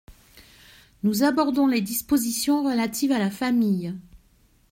Nous abordons les dispositions relatives à la famille.